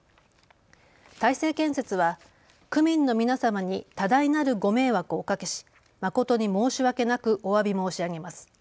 大成建設は区民の皆様に多大なるご迷惑をおかけし、誠に申し訳なくおわび申し上げます。